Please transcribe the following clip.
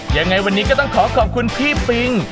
ยังไงวันนี้ก็ต้องขอขอบคุณพี่ปิง